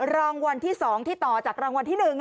รางวัลที่สองที่ต่อจากรางวัลที่หนึ่ง